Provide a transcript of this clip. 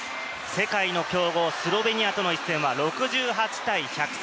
世界の強豪、スロベニアとの一戦は６８対１０３。